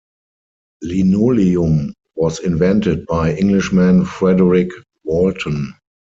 Linoleum was invented by Englishman Frederick Walton.